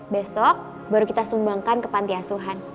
besok baru kita sumbangkan ke pantiasuhan